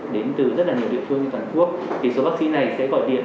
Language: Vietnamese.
đến từ rất nhiều địa phương như toàn quốc thì số bác sĩ này sẽ gọi điện